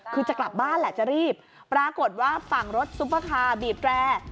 คือจะกลับบ้านแหละจะรีบปรากฏว่าฝั่งรถซุปเปอร์คาร์บีบแตร